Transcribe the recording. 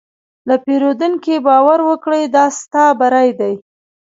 که پیرودونکی باور وکړي، دا ستا بری دی.